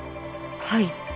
はい。